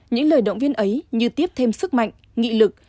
những lời động viên ấy như tiếp thêm sức mạnh nghị lực